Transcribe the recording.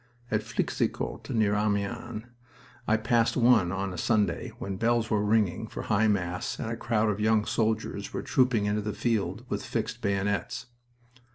At Flixecourt, near Amiens, I passed one on a Sunday when bells were ringing for high mass and a crowd of young soldiers were trooping into the field with fixed bayonets.